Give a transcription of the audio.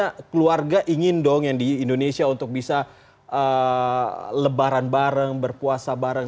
pertanyaan adalah pastinya keluarga ingin dong yang di indonesia untuk bisa lebaran bareng berpuasa bareng